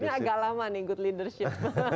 ini agak lama nih good leadership